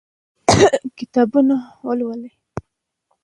کتابونه ولولئ.